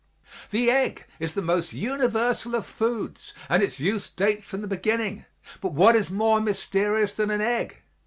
The egg is the most universal of foods and its use dates from the beginning, but what is more mysterious than an egg?